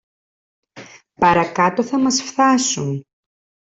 Παρακάτω θα μας φθάσουν.